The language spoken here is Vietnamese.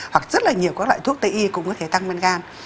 hoặc rất là nhiều các loại thuốc tây y cũng có thể tăng nguyên gan